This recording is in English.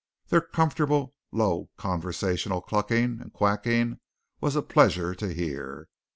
Their comfortable, low conversational clucking and quacking was a pleasure to hear.